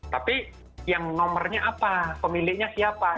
tapi yang nomornya apa pemiliknya siapa